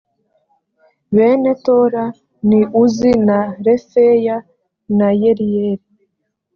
bene tola ni uzi na refaya na yeriyeli